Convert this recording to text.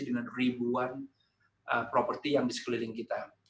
dengan ribuan properti yang di sekeliling kita